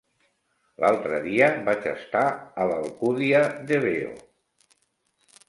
L'altre dia vaig estar a l'Alcúdia de Veo.